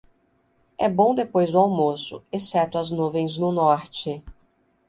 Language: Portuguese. É bom depois do almoço, exceto as nuvens no norte.